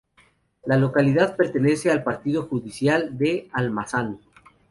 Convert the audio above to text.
La localidad pertenece al partido judicial de Almazán.